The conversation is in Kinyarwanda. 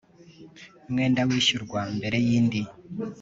mwenda wishyurwa mbere y indi